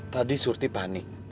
tadi surti panik